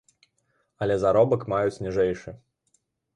Але заробак маюць ніжэйшы.